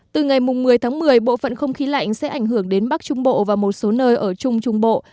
từ ngày một mươi tháng một mươi bộ phận không khí lạnh sẽ ảnh hưởng đến bắc trung bộ và một số nơi ở trung trung bộ